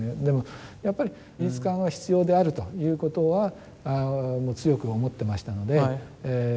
でもやっぱり美術館は必要であるということはもう強く思ってましたので。